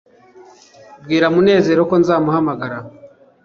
bwira munezero ko nzamuhamagara